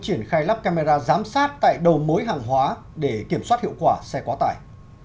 triển khai lắp camera giám sát tại đầu mối hàng hóa để kiểm soát hiệu quả xe quá tải